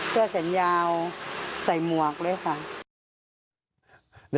เสื้อแขนยาวใส่หมวกเลยค่ะ